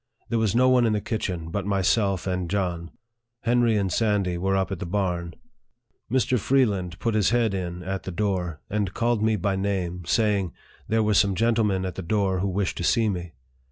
There was no one in the kitchen but myself and John. Henry and Sandy were up at the barn. Mr. Freeland put his head in at the door, and called me by name, saying, there were some gentlemen at the door who wished to see me.